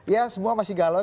ya semua masih galau